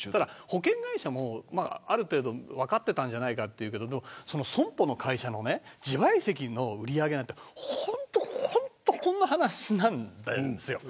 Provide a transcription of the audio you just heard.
保険会社もある程度分かっていたんじゃないかと言うけど損保の会社の自賠責の売り上げなんてほんとに小さいんですよ。